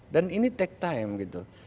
dan ini take time gitu